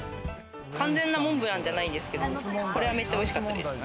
完全なモンブランじゃないんですけど、これは、めっちゃ美味しかったです。